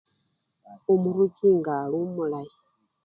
Umurungi nga ali omulayi.